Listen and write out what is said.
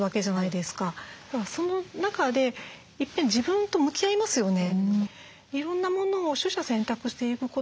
その中でいっぺん自分と向き合いますよね。